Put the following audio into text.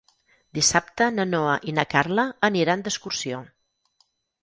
Dissabte na Noa i na Carla aniran d'excursió.